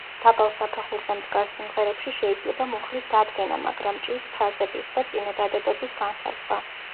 დაბალ საფეხურზე მდგარ სიმღერებში შეიძლება მუხლის დადგენა, მაგრამ ჭირს ფრაზების და წინადადებების განსაზღვრა.